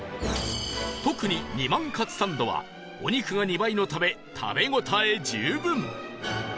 特に弐万かつサンドはお肉が２倍のため食べ応え十分